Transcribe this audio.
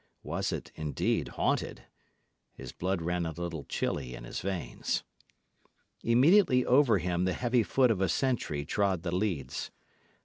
Was it, indeed, haunted? His blood ran a little chilly in his veins. Immediately over him the heavy foot of a sentry trod the leads.